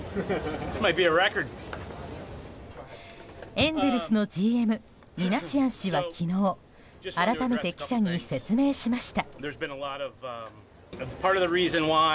エンゼルスのＧＭミナシアン氏は昨日改めて記者に説明しました。